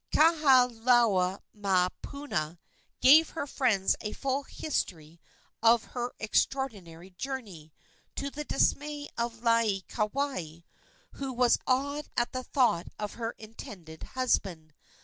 Kahalaomapuana gave her friends a full history of her extraordinary journey, to the dismay of Laieikawai, who was awed at the thought of her intended husband.